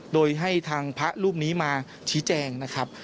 โดยให้ทางพระรูปนี้มาชี้แจงนะครับ